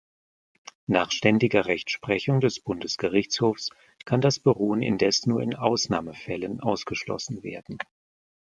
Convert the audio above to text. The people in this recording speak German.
Nach ständiger Rechtsprechung des Bundesgerichtshofs kann das Beruhen indes nur in Ausnahmefällen ausgeschlossen werden.